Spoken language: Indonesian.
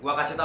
gue kasih tau